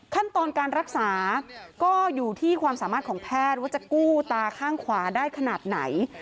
ขั้นตอนการรักษาก็อยู่ที่ความสามารถของแพทย์ว่าจะกู้ตาข้างขวาได้ขนาดไหน